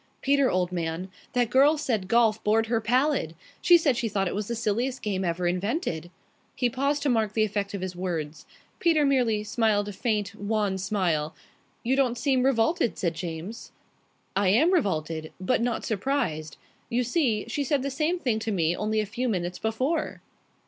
"Peter, old man, that girl said golf bored her pallid. She said she thought it was the silliest game ever invented." He paused to mark the effect of his words. Peter merely smiled a faint, wan smile. "You don't seem revolted," said James. "I am revolted, but not surprised. You see, she said the same thing to me only a few minutes before."